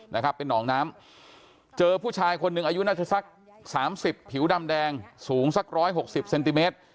นะครับเป็นหนองน้ำเจอผู้ชายคนหนึ่งอายุน่าจะสักสามสิบผิวดำแดงสูงสักร้อยหกสิบเซนติเมตร